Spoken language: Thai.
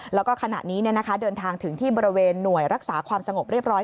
แล้วก็ขณะนี้เดินทางถึงที่บริเวณหน่วยรักษาความสงบเรียบร้อย